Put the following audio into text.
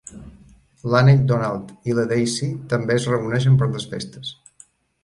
L'Ànec Donald i la Daisy també es reuneixen per les festes.